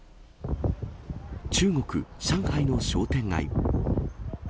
中国・上海の商店街。